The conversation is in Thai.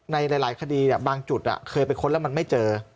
ในหลายคดีบางจุดเคยไปค้นแล้วมันไม่เจอ